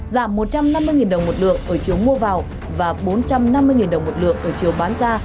giảm một trăm năm mươi đồng một lượng ở chiều mua vào và bốn trăm năm mươi đồng một lượng ở chiều bán ra